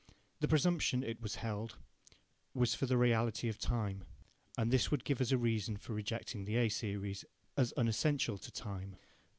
The presumption, it was held, was for the reality of time, and this would give us a reason for rejecting the A series as unessential to time.